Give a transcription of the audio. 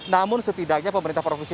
namun setidaknya pemerintah provinsi